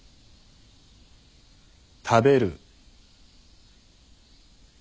食べる。